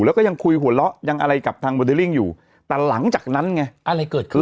แล้วก็ยังคุยหัวเราะยังอะไรกับทางโมเดลลิ่งอยู่แต่หลังจากนั้นไงอะไรเกิดขึ้น